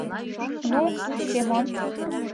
«Ну, Семон